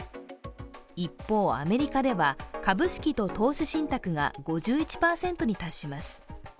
一方、アメリカでは株式と投資信託が５１％に達します。